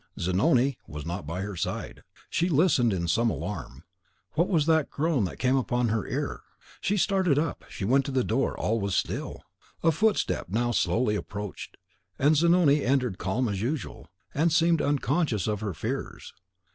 Zanoni was not by her side; she listened in some alarm. Was that a groan that came upon her ear? She started up, she went to the door; all was still. A footstep now slowly approached, and Zanoni entered calm as usual, and seemed unconscious of her fears.